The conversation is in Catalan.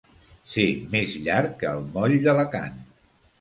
Ser més llarg que el moll d'Alacant.